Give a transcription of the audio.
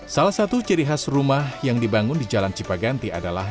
salah satu ciri khas rumah yang dibangun di jalan cipaganti adalah